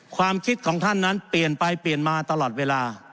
ความคิดของท่านนั้นเปลี่ยนไปเปลี่ยนมาตลอดเวลา